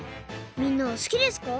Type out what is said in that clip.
みんなはすきですか？